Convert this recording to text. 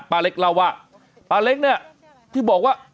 ป้าเล็กเล่าว่าป้าเล็กเนี่ยที่บอกว่า